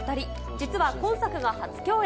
実は今作が初共演。